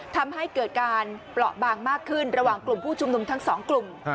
ทำให้เกิดการเปราะบางมากขึ้นระหว่างกลุ่มผู้ชุมนุมทั้งสองกลุ่ม